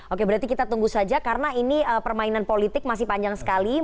oke berarti kita tunggu saja karena ini permainan politik masih panjang sekali